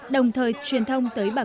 đồng thời truyền thông tới bà con